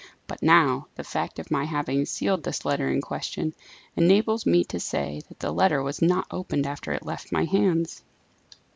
But now, the fact of my having sealed this letter in question, enables me to say that the letter was not opened after it left my hands.